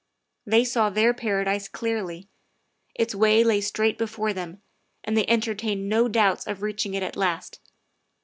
They saw their paradise clearly. Its way lay straight before them, and they entertained no doubts of reaching it at last.